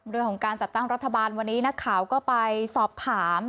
เรื่องของการจัดตั้งรัฐบาลวันนี้นักข่าวก็ไปสอบถาม